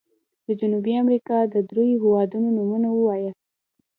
د جنوبي امريکا د دریو هيوادونو نومونه ووایاست.